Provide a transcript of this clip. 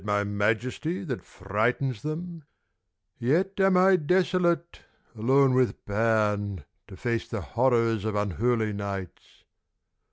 my majesty that frightens them ? Yet ;mi 1 desolate, alone with Pan To face the horrors of unholy nights.